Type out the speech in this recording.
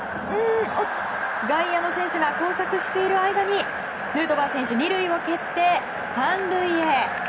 外野の選手が交錯している間にヌートバー選手２塁を蹴って３塁へ。